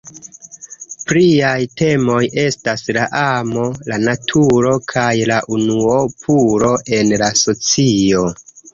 Pliaj temoj estas la amo, la naturo kaj la unuopulo en la socio.